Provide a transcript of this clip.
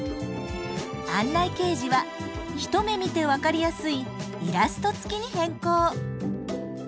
案内掲示は一目見て分かりやすいイラスト付きに変更。